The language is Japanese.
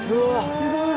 すごい。